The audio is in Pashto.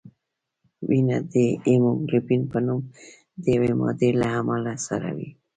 وینه د هیموګلوبین په نوم د یوې مادې له امله سره وي